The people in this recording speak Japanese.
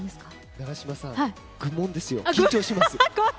永島さん愚問ですよ、緊張します。